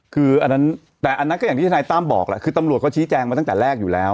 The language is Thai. คืออันนั้นแต่อันนั้นก็อย่างที่ทนายตั้มบอกแหละคือตำรวจก็ชี้แจงมาตั้งแต่แรกอยู่แล้ว